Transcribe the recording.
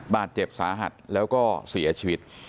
บาดเจ็บสาหัสแล้วก็เสียชีวิต